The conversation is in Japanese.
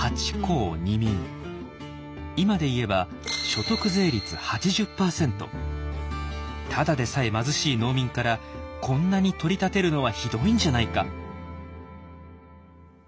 今で言えばただでさえ貧しい農民からこんなに取り立てるのはひどいんじゃないか。